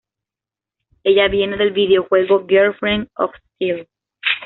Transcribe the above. Ella viene del videojuego "Girlfriend Of Steel".